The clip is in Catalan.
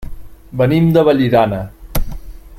Venim de Vallirana.